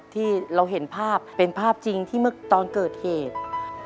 ที่เราเห็นภาพเป็นภาพจริงที่เมื่อตอนเกิดเหตุ